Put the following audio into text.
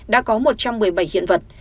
đã có một trăm một mươi bảy hiện vật